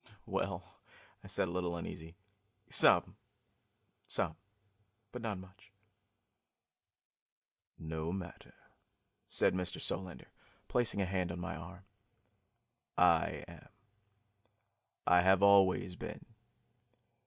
"Well," I said, a little uneasily, "some. Some, but not much." "No matter," said Mr. Solander, placing a hand on my arm. "I am. I have always been.